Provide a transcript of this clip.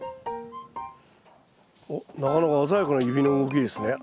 おっなかなか鮮やかな指の動きですね。